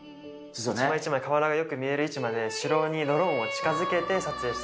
一枚一枚瓦がよく見える位置まで城にドローンを近づけて撮影してる。